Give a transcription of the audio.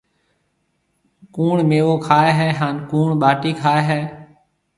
ڪوُڻ ميوو کائي هيَ هانَ ڪوُڻ ٻاٽِي کائي هيَ؟